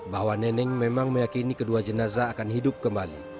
bahwa neneng memang meyakini kedua jenazah akan hidup kembali